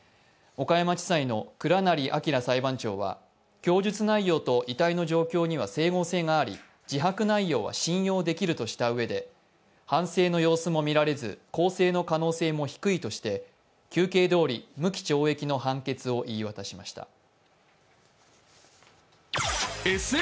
岡山地裁の倉成章裁判長は供述内容と遺体の状況には整合性があり自白内容は信用できるとしたうえで反省の様子も見られず更生の可能性も低いとして求刑どおり無期懲役の判決を言い渡しました。